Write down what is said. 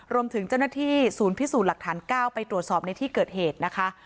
รวมถึงเจ้าหน้าที่ศูนย์พิสูจน์หลักฐาน๙ไปตรวจสอบในที่เกิดเหตุนะคะ